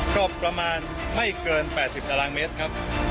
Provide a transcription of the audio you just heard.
ก็ประมาณไม่เกิน๘๐ตารางเมตรครับ